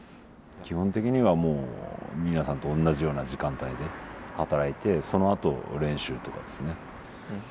基本的にはもう皆さんとおんなじような時間帯で働いてそのあと練習とかですね。